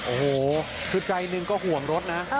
โฮคือใจนึงก็ห่วงรถนะ